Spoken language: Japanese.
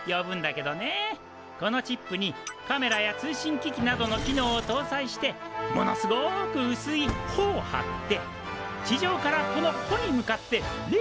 このチップにカメラや通信機器などの機能をとうさいしてものすごくうすいほを張って地上からこのほに向かってレーザーを照射する。